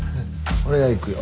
俺が行くよ。